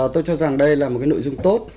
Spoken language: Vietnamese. tôi cho rằng đây là một nội dung tốt